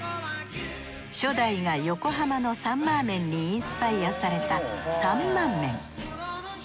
初代が横浜のサンマーメンにインスパイアされたさんまんめん。